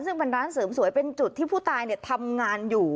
ซึ่งเป็นร้านเสริมสวยเป็นจุดที่ผู้ตายทำงานอยู่